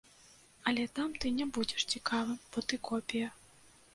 Але там ты не будзеш цікавым, бо ты копія.